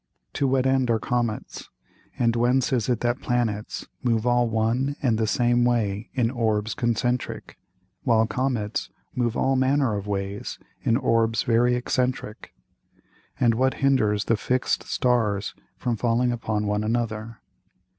To what end are Comets, and whence is it that Planets move all one and the same way in Orbs concentrick, while Comets move all manner of ways in Orbs very excentrick; and what hinders the fix'd Stars from falling upon one another?